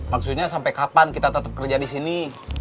maksudnya sampai kapan kita tetap kerja di sini